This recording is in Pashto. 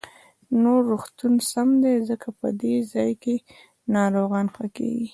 نو روغتون سم دی، ځکه په دې ځاى کې ناروغان ښه کېږي.